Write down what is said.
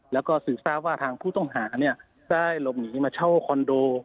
แล้วก็สืบทราบว่าทางผู้ต้องหาได้หลบหนีมาเช่าคอนโด